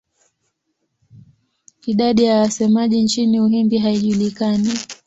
Idadi ya wasemaji nchini Uhindi haijulikani.